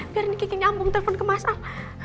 biar ini keke nyambung telpon ke masal